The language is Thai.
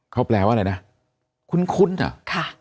เขาแปลวอะไรนะคุ้นคุ้นเหรอค่ะ